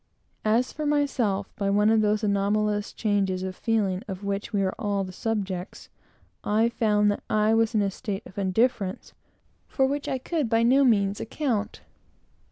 As for myself, by one of those anomalous changes of feeling of which we are all the subjects, I found that I was in a state of indifference, for which I could by no means account.